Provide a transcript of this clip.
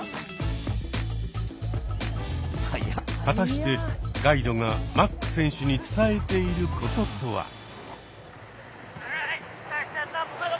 果たしてガイドがマック選手に伝えていることとは？